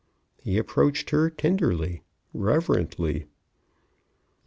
He approached her, tenderly, reverently.